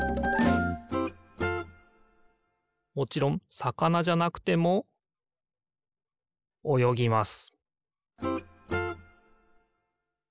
もちろんさかなじゃなくてもおよぎます